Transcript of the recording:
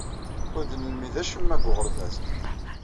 Ur d-nelmid acemma deg uɣerbaz.